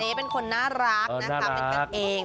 เป็นคนน่ารักนะคะเป็นกันเอง